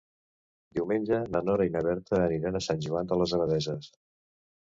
Diumenge na Nora i na Berta aniran a Sant Joan de les Abadesses.